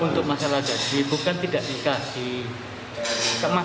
untuk masalah jadi bukan tidak dikasih